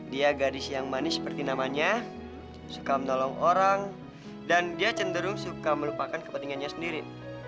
dia gadis yang manis seperti namanya suka menolong orang dan dia cenderung suka melupakan kepentingannya sendiri